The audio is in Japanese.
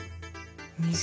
水？